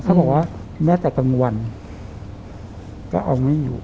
เขาบอกว่าแม้แต่กลางวันก็เอาไม่อยู่